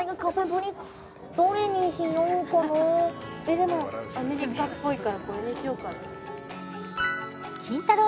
でもアメリカっぽいからこれにしようかなキンタロー。